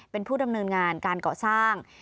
เป็นผู้ดำเนินงานการก่อสร้าง